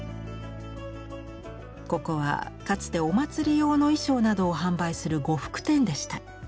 ここはかつてお祭り用の衣装などを販売する呉服店でした。